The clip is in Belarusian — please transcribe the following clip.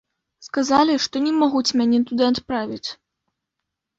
Сказалі, што не могуць мяне туды адправіць.